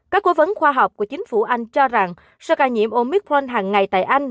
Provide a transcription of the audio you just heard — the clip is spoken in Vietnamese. các cố vấn khoa học của chính phủ anh cho rằng sơ ca nhiễm omicron hàng ngày tại anh